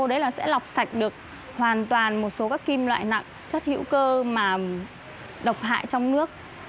đấy là sẽ lọc sạch được hoàn toàn một số các kim loại nặng chất hữu cơ mà độc hại trong nước